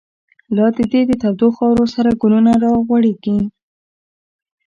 لاددی دتودوخاورو، سره ګلونه راغوړیږی